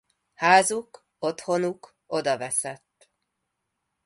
Házuk-otthonuk odaveszett.